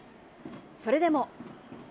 それでも。